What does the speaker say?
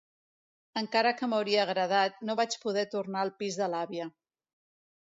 Encara que m'hauria agradat, no vaig poder tornar al pis de l'àvia.